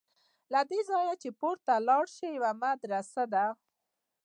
له دې ځایه چې پورته لاړ شې یوه مدرسه ده.